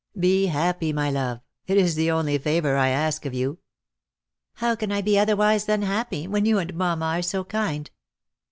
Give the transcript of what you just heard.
" Be happy, my love. It is the only favour I ask of you." " How can I be otherwise than happy, when you and mamma are so kind